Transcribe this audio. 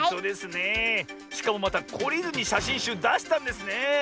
しかもまたこりずにしゃしんしゅうだしたんですねえ。